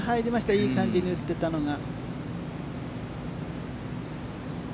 いい感じに打ってたのが。